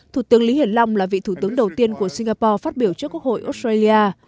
thủ tướng lý hiển long là vị thủ tướng đầu tiên của singapore phát biểu trước quốc hội australia